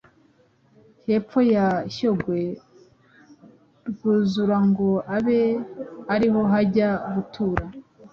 hepfo ya Shyogwe rwuzura ngo abe ariho bajya gutura.